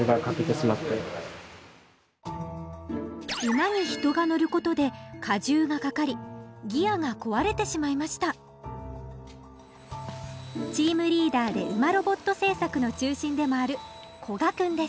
馬に人が乗ることで荷重がかかりギアが壊れてしまいましたチームリーダーで馬ロボット製作の中心でもある古賀くんです。